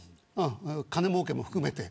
金もうけも含めて。